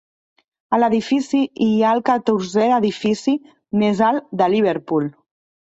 A l'edifici hi ha el catorzè edifici més alt de Liverpool.